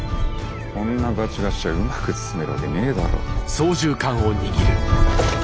こんなガチガチじゃうまく包めるわけねえだろ。